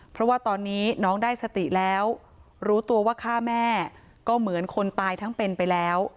เพราะว่าตอนนี้น้องได้สติแล้วรู้ตัวว่าฆ่าแม่ก็เหมือนคนตายทั้งเป็นไปแล้ว